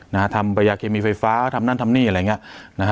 นะฮะทำประยาเคมีไฟฟ้าทำนั่นทำนี่อะไรอย่างเงี้ยนะฮะ